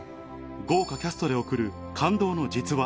豪華キャストで送る感動の実話